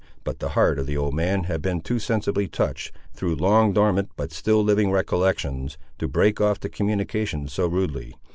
But the heart of the old man had been too sensibly touched, through long dormant but still living recollections, to break off the communication so rudely.